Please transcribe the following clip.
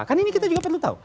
kan ini kita juga perlu tahu